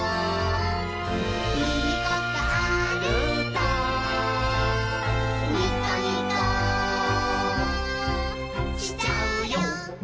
「いいことあるとにこにこしちゃうよ」